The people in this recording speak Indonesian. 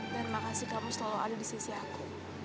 dan makasih kamu selalu ada di sisi aku